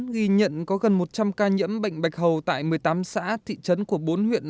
ghi nhận có gần một trăm linh ca nhiễm bệnh bạch hầu tại một mươi tám xã thị trấn của bốn huyện